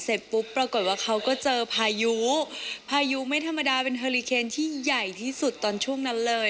เสร็จปุ๊บปรากฏว่าเขาก็เจอพายุพายุไม่ธรรมดาเป็นเฮอลิเคนที่ใหญ่ที่สุดตอนช่วงนั้นเลย